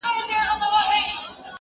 زه د کتابتون کتابونه لوستي دي!.